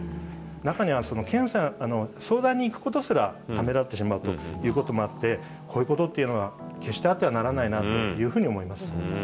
中には相談に行くことすらためらってしまうということもあって、こういうことっていうのは、決してあってはならないなというふうに思います。